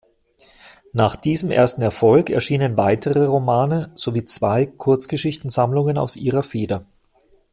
Nach diesem ersten Erfolg erschienen weitere Romane sowie zwei Kurzgeschichtensammlungen aus ihrer Feder.